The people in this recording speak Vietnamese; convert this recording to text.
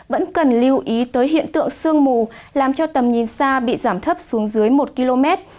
vẫn cần lưu ý tới hiện tượng sương mù làm cho tầm nhìn xa bị giảm thấp xuống dưới một km